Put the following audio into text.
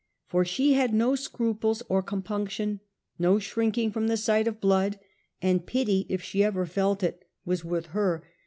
For she had no scruples or compunction, no shrinking from the sight blood ; and pity, if she ever felt it, was with her only A.